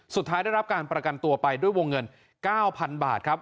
สุดท้ายได้รับการประกันตัวไปด้วยวงเงิน๙๐๐บาทครับ